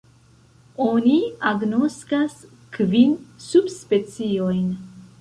Oni agnoskas kvin subspeciojn.